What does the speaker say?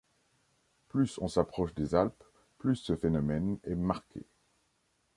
Plus on s’approche des Alpes, plus ce phénomène est marqué.